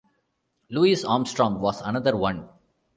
Louis Armstrong was another one.